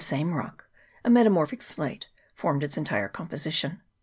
same rock, a metamorphic slate, formed its entire composition.